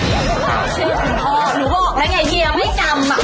ชื่อคุณพ่อหรือบอกแล้วไงเฮียไม่จำ